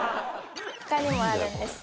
他にもあるんです。